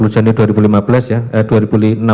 tiga puluh januari dua ribu enam belas